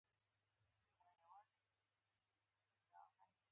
توحید عامیانه معنا بوتانو پرستش ډډه دی.